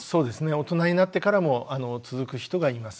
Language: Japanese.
大人になってからも続く人がいます。